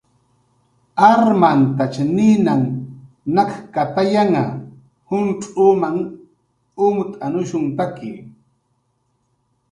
Armantach ninanh nakkatayanha, juncx'umanh umt'anushuntaki